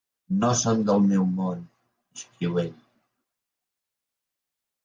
"No són del meu món", escriu ell.